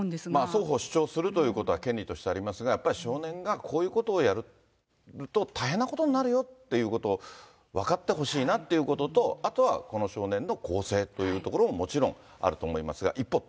双方主張するということは、権利としてありますが、やっぱり少年がこういうことをやると大変なことになるよっていうことを、分かってほしいなっていうことと、あとはこの少年の更生というところももちろんあると思いますが。